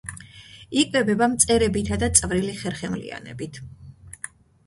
იკვებება მწერებითა და წვრილი ხერხემლიანებით.